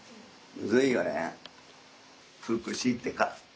むずいよね。